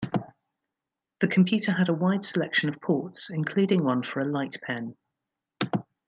The computer had a wide selection of ports, including one for a light pen.